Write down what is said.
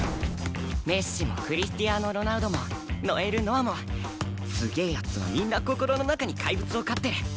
メッシもクリスティアーノ・ロナウドもノエル・ノアもすげえ奴はみんな心の中にかいぶつを飼ってる。